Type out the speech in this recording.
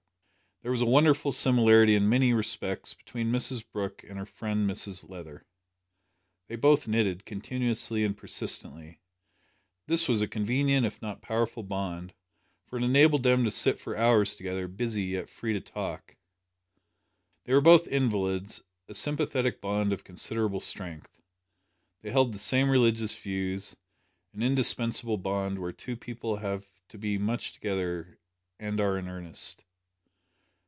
There was a wonderful similarity in many respects between Mrs Brooke and her friend Mrs Leather. They both knitted continuously and persistently. This was a convenient if not a powerful bond, for it enabled them to sit for hours together busy, yet free to talk. They were both invalids a sympathetic bond of considerable strength. They held the same religious views an indispensable bond where two people have to be much together, and are in earnest.